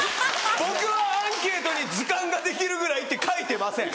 僕はアンケートに図鑑ができるぐらいって書いてません！